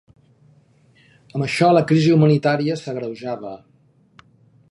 Amb això la crisi humanitària s’agreujava.